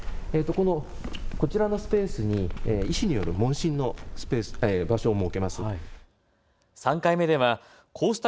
こちらのスペースに医師による問診の場所を設けました。